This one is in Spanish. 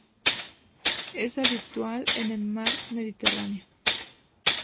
Es habitual en el mar Mediterráneo.